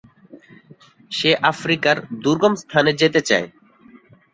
সে আফ্রিকার দুর্গম স্থানে যেতে চায়।